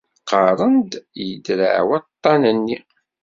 Qqaren-d yedreε waṭṭan-nni.